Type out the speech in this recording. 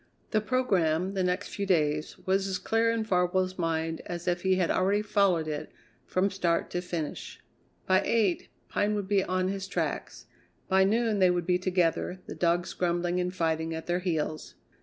The program, the next few days, was as clear in Farwell's mind as if he had already followed it from start to finish. By eight Pine would be on his tracks; by noon they would be together, the dogs grumbling and fighting at their heels.